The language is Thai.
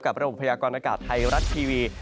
ระบบพยากรณากาศไทยรัฐทีวี